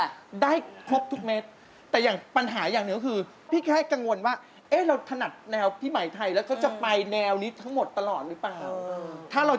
ฮักอายชอบมาจนแย่ส่อยให้เป็นรักแท้สู่เรา